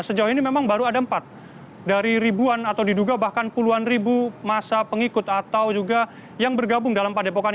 sejauh ini memang baru ada empat dari ribuan atau diduga bahkan puluhan ribu masa pengikut atau juga yang bergabung dalam padepokan